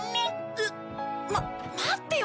えっ待ってよ